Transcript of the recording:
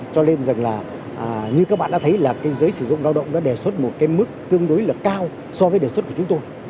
cho nên là như các bạn đã thấy là giới sử dụng lao động đã đề xuất một mức tương đối cao so với đề xuất của chúng tôi